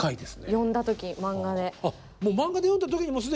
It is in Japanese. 読んだ時漫画で。